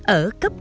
ở cấp một năm